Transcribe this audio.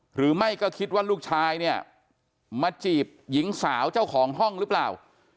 หรือไม่ก็คิดว่าลูกชายเนี่ยมาจีบหญิงสาวเจ้าของห้องหรือเปล่า